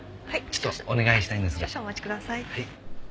はい。